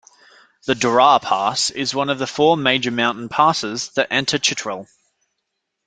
The Dorah Pass is one of the four major mountain passes that enter Chitral.